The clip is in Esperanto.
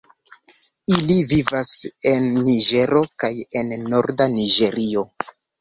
Ili vivas en Niĝero kaj en norda Niĝerio.